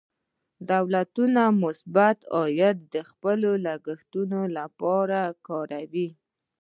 دولتونه مثبت عاید د خپلو لګښتونو لپاره کاروي.